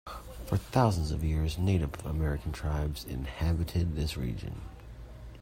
For thousands of years, Native American tribes inhabited this region.